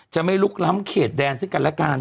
จะไม่ลุกล้ำเขตแดนซึ่งกันแล้วกัน